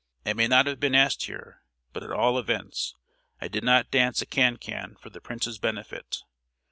I may not have been asked here, but at all events I did not dance a can can for the prince's benefit.